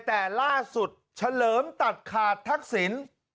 แต่ล่าสุดเฉลิมตัดขาดทักษิณ